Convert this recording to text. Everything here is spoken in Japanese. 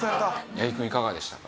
八木くんいかがでしたか？